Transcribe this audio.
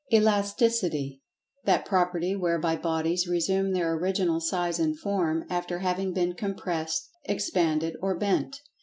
Elasticity: That property whereby bodies resume their original size and form, after having been compressed, expanded or "bent."